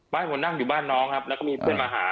ให้ผมนั่งอยู่บ้านน้องครับแล้วก็มีเพื่อนมาหา